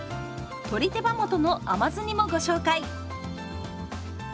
「鶏手羽元の甘酢煮」もご紹介！